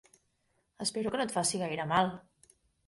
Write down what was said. Espero que no et faci gaire mal?